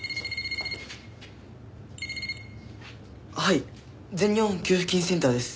はい全日本給付金センターです。